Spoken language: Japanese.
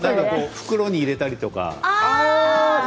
袋に入れたりとか。